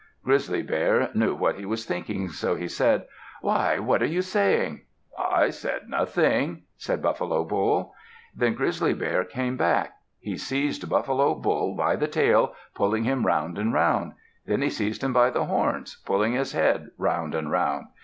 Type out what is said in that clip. Grizzly Bear knew what he was thinking, so he said, "Why! what are you saying?" "I said nothing," said Buffalo Bull. Then Grizzly Bear came back. He seized Buffalo Bull by the tail, pulling him round and round. Then he seized him by the horns, pulling his head round and round.